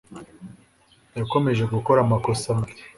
Yakomeje gukora amakosa amwe